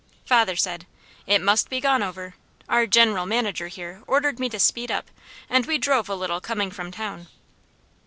Father said: "It must be gone over. Our general manager here ordered me to speed up, and we drove a little coming from town."